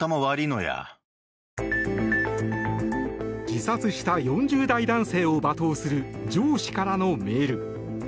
自殺した４０代男性を罵倒する上司からのメール。